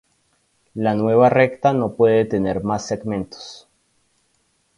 La nueva recta no puede tener más segmentos.